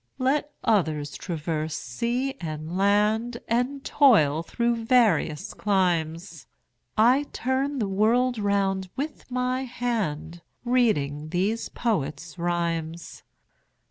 Let others traverse sea and land, And toil through various climes, 30 I turn the world round with my hand Reading these poets' rhymes.